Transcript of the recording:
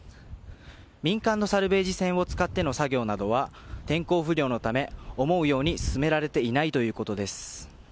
民間のサルベージ船を使っての作業などは天候不良のため、思うように進められていないということです。